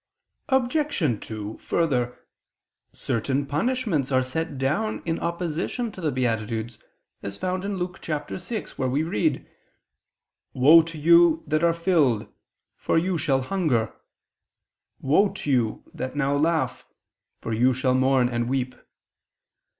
Obj. 2: Further, certain punishments are set down in opposition to the beatitudes, Luke 6:25, where we read: "Woe to you that are filled; for you shall hunger. Woe to you that now laugh, for you shall mourn and weep."